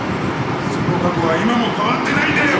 その過去は今も変わってないんだよ！